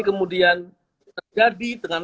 kemudian terjadi dengan